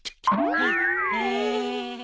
へっへえ。